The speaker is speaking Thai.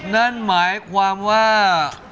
นั่นหมายความว่า